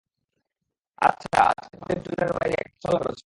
আচ্ছা, আজকে পাবলিক টয়লেটের বাইরে একটা পোস্টার লাগানো ছিল।